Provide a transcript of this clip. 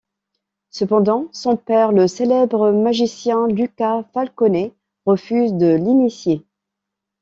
Cependant, son père, le célèbre magicien Lucas Falconer, refuse de l'initier.